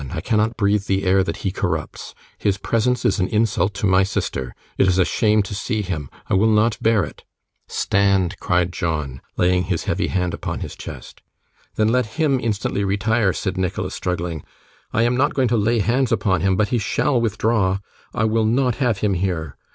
I cannot breathe the air that he corrupts. His presence is an insult to my sister. It is shame to see him. I will not bear it.' 'Stand!' cried John, laying his heavy hand upon his chest. 'Then let him instantly retire,' said Nicholas, struggling. 'I am not going to lay hands upon him, but he shall withdraw. I will not have him here.